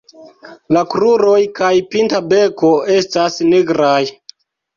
La kruroj kaj pinta beko estas nigraj.